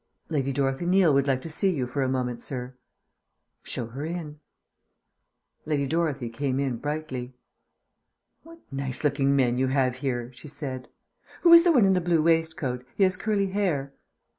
"Lady Dorothy Neal would like to see you for a moment, sir." "Show her in." Lady Dorothy came in brightly. "What nice looking men you have here," she said. "Who is the one in the blue waistcoat? He has curly hair."